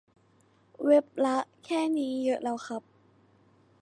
เว็บละ แค่นี้ก็เยอะแล้วครับ